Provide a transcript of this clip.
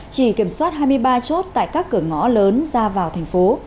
chỉ kiểm soát hai mươi ba chốt tại các cửa ngõ lớn ra vào thành phố